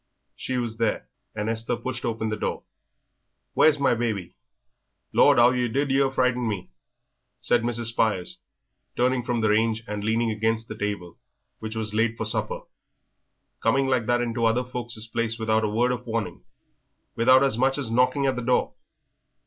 She was there, and Esther pushed open the door. "Where's my baby?" "Lord, 'ow yer did frighten me!" said Mrs. Spires, turning from the range and leaning against the table, which was laid for supper. "Coming like that into other folk's places without a word of warning without as much as knocking at the door."